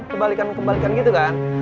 kebalikan kebalikan gitu kan